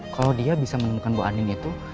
kalau dia bisa menemukan bu anin itu